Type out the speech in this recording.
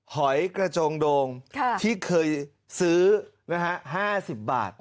หอยกระโจงโดงที่เคยซื้อ๕๐บาท